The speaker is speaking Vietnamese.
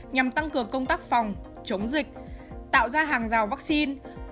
nhằm tăng cường công tác phòng chống dịch tạo ra hàng rào vaccine